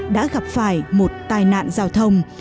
đã gặp phải một tài nạn giao thông